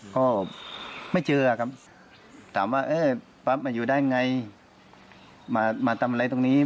ก็ไม่เจอครับถามว่าเออปั๊บมาอยู่ได้ไงมาทำอะไรตรงนี้